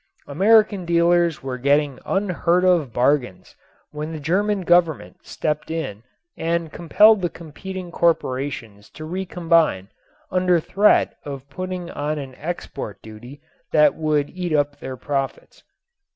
American dealers were getting unheard of bargains when the German Government stepped in and compelled the competing corporations to recombine under threat of putting on an export duty that would eat up their profits.